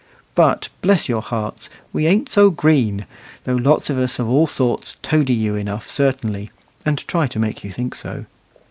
But bless your hearts, we "ain't so green," though lots of us of all sorts toady you enough certainly, and try to make you think so.